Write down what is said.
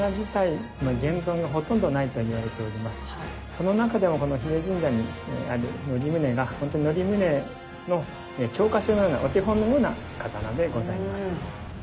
その中でもこの日枝神社にある則宗がほんとに則宗の教科書のようなお手本のような刀でございます。